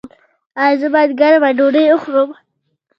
ایا زه باید ګرمه ډوډۍ وخورم؟